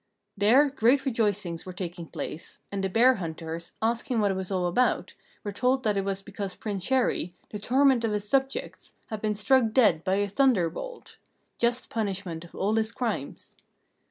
There great rejoicings were taking place, and the bear hunters, asking what it was all about, were told that it was because Prince Chéri, the torment of his subjects, had been struck dead by a thunderbolt just punishment of all his crimes.